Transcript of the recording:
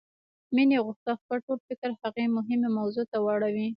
مينې غوښتل خپل ټول فکر هغې مهمې موضوع ته واړوي.